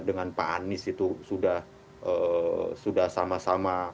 dengan pak anies itu sudah sama sama